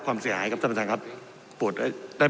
เรื่องแสดงเหล่าเพียกทำของสหายครับท่านประธานครับ